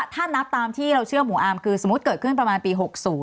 ถ้านับตามที่เราเชื่อหมู่อาร์มคือสมมุติเกิดขึ้นประมาณปี๖๐